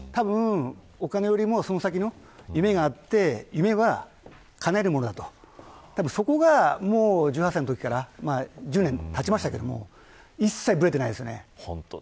お金よりも、その先の夢があって夢はかなえるものだとそこが１８歳のときから１０年たちましたけど一切ぶれていないですね。